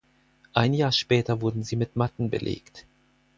Ein Jahr später wurden sie mit Matten belegt.